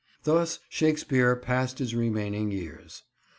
Thus Shakespeare passed his remaining years.